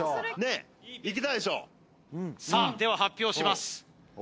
いけたでしょさあでは発表します